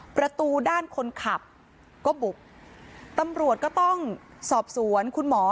ประตูด้านคนขับก็บุกตำรวจก็ต้องสอบสวนคุณหมอ